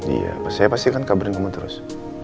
iya saya pastikan kabarin kamu terus